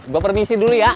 gue permisi dulu ya